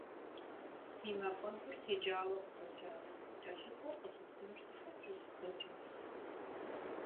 Ди мафӀэгур текӏауэ къыщӀэкӀащ, къыкӀэлъыкӀуэр къыщысынур сыхьэтищ дэкӀмэщ.